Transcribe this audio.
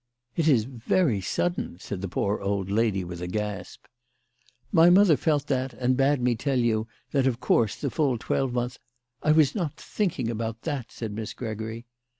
" It is very sudden/' said the poor old lady with a gasp. "My mother felt that, and bade me tell you that, of course, the full twelvemonth "" I was not thinking about that," said Miss Gregory.